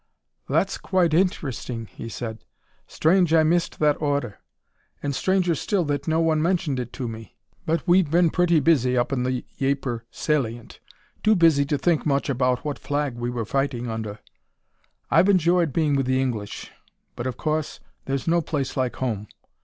"That's quite interesting," he said. "Strange I missed that order, and stranger still that no one mentioned it to me. But we've been pretty busy up in the Ypres salient too busy to think much about what flag we were fighting under. I've enjoyed being with the English, but of course 'there's no place like home'.